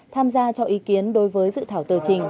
tham gia cho ý kiến đối với dự thảo tờ trình